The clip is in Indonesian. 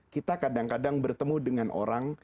kita kadang kadang bertemu dengan orang